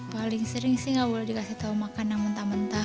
paling sering sih nggak boleh dikasih tahu makanan mentah mentah